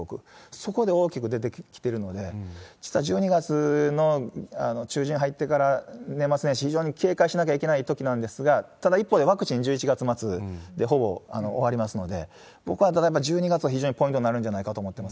そこで大きく出てきてるので、実は１２月の中旬に入ってから年末年始、非常に警戒しなきゃいけないときなんですが、ただ、一方で、ワクチン、１１月末でほぼ終わりますので、僕はただやっぱり１２月はポイントになるんじゃないかと思ってます。